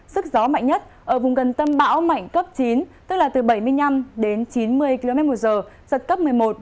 sức gió mạnh nhất ở vùng gần tâm bão mạnh cấp chín tức là từ bảy mươi năm đến chín mươi km một giờ giật cấp một mươi một